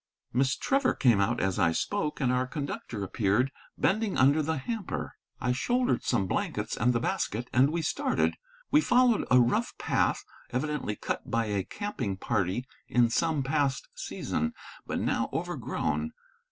Miss Trevor came out as I spoke, and our conductor appeared, bending under the hamper. I shouldered some blankets and the basket, and we started. We followed a rough path, evidently cut by a camping party in some past season, but now overgrown.